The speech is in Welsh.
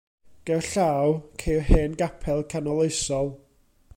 Gerllaw, ceir hen gapel Canoloesol.